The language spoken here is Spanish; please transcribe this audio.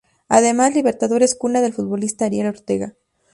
Además Libertador es cuna del futbolista Ariel Ortega.